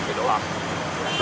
ini jasadnya laki apa perempuan